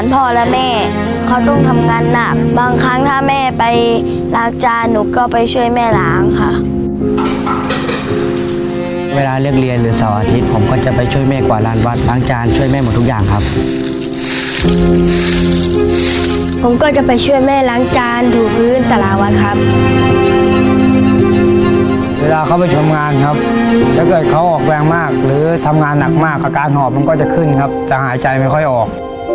พอต้องทำงานหนักบางครั้งถ้าแม่ไปล้างจานหนูก็ไปช่วยแม่หลางค่ะเวลาเรียกเรียนหรือเสาร์อาทิตย์ผมก็จะไปช่วยแม่กว่าร้านวัดล้างจานช่วยแม่หมดทุกอย่างครับผมก็จะไปช่วยแม่ล้างจานถือพื้นสลาวัดครับเวลาเข้าไปทำงานครับถ้าเกิดเขาออกแวงมากหรือทำงานหนักมากอาการหอบมันก็จะขึ้นครับจะหายใจไม่ค่อยออก